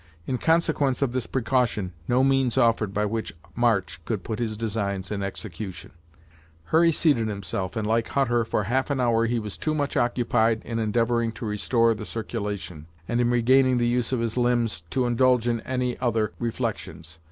In consequence of this precaution, no means offered by which March could put his designs in execution. Disappointed in his vengeance, Hurry seated himself, and like Hutter, for half an hour, he was too much occupied in endeavoring to restore the circulation, and in regaining the use of his limbs, to indulge in any other reflections.